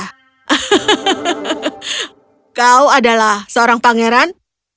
hahaha kau adalah seorang pangeran